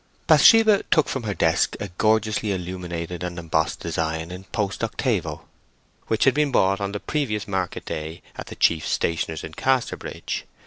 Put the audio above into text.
Bathsheba took from her desk a gorgeously illuminated and embossed design in post octavo, which had been bought on the previous market day at the chief stationer's in Casterbridge.